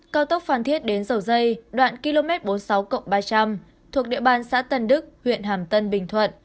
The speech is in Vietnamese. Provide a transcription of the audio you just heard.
cao tốc phan thiết đến dầu dây đoạn km bốn mươi sáu ba trăm linh thuộc địa bàn xã tân đức huyện hàm tân bình thuận